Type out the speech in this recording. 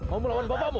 mau melawan bapamu